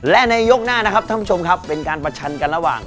และในยกหน้านะครับท่านผู้ชมครับเป็นการประชันกันระหว่าง